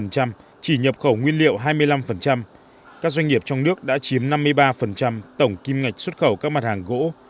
hai mươi năm các doanh nghiệp trong nước đã chiếm năm mươi ba tổng kim ngạch xuất khẩu các mặt hàng gỗ